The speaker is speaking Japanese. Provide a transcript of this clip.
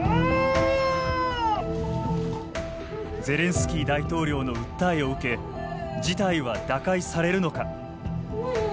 ゼレンスキー大統領の訴えを受け事態は打開されるのか。